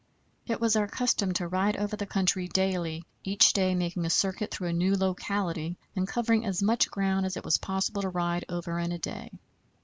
It was our custom to ride over the country daily, each day making a circuit through a new locality, and covering as much ground as it was possible to ride over in a day.